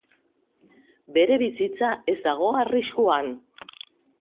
Bere bizitza ez dago arriskuan.